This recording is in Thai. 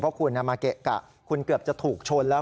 เพราะคุณมาเกะกะคุณเกือบจะถูกชนแล้ว